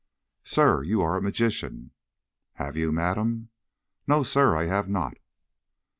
"Sir, you are a magician." "Have you, madam?" "No, sir, I have not."